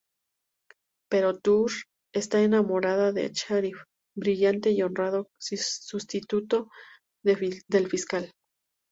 Pero Tour está enamorada de Cherif, brillante y honrado sustituto del fiscal.